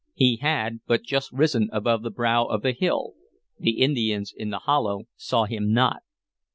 He had but just risen above the brow of the hill; the Indians in the hollow saw him not.